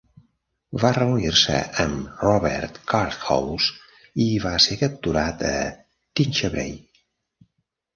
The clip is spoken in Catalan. Va reunir-se amb Robert Curthose i va ser capturat a Tinchebrai.